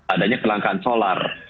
adanya kelangkaan solar